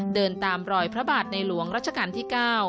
เดินตามรอยพระบาทในหลวงรัชกาลที่๙